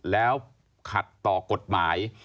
แล้วขัดต่อกฎหมาย